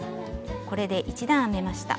これで１段編めました。